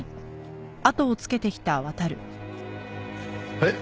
えっ？